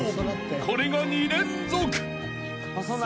［これが２連続］